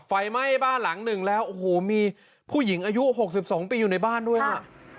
ไฟไหม้บ้านหลังหนึ่งแล้วโอ้โหมีผู้หญิงอายุ๖๒ปีอยู่ในบ้านด้วยอ่ะ